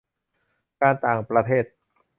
การต่างประเทศ